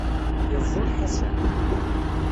Yeẓẓul Ḥasan.